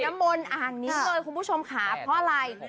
น้ำมนอางนี้คุณผู้ชมค่ะเพราะไร